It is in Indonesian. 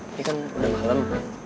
ini kan udah malem